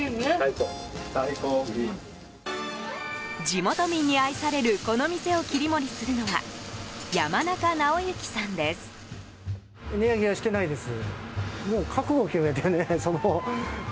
地元民に愛されるこの店を切り盛りするのは山中直幸さんです。